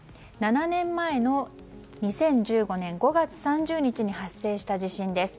７年前の２０１５年５月３０日に発生した地震です。